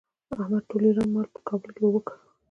احمد ټول ايران مال په کابل کې اوبه کړ.